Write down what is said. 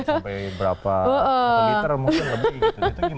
sampai berapa liter mungkin lebih gitu